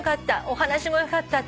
お話もよかった。